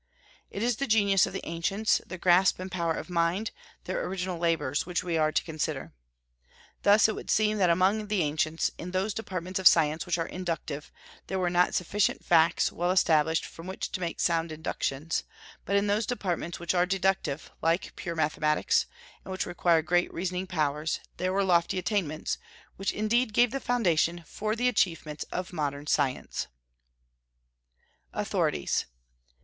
It is the genius of the ancients, their grasp and power of mind, their original labors, which we are to consider. Thus it would seem that among the ancients, in those departments of science which are inductive, there were not sufficient facts, well established, from which to make sound inductions; but in those departments which are deductive, like pure mathematics, and which require great reasoning powers, there were lofty attainments, which indeed gave the foundation for the achievements of modern science. AUTHORITIES.